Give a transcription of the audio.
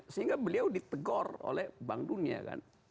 sehingga beliau ditegor oleh bank dunia kan